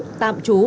chú tạm chú